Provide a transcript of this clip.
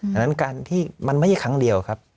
ดังนั้นการที่มันไม่ใช่ครั้งเดียวครับ